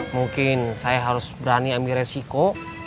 mungkin saya harus berani ambil resiko